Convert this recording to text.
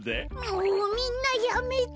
もうみんなやめて！